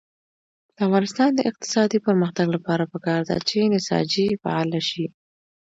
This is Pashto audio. د افغانستان د اقتصادي پرمختګ لپاره پکار ده چې نساجي فعاله شي.